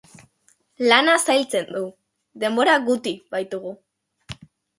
Lana zailtzen du, denbora guti baitugu.